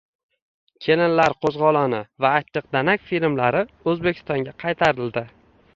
Kelinlar qo‘zg‘oloni va Achchiq danak filmlari O‘zbekistonga qaytarildi